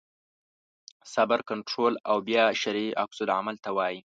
صبر کنټرول او بیا شرعي عکس العمل ته وایي.